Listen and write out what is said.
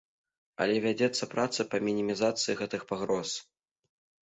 Але вядзецца праца па мінімізацыі гэтых пагроз.